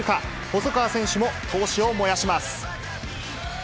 細川選手も闘志を燃やします。